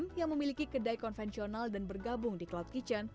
yang memiliki kedai konvensional dan bergabung di cloud kitchen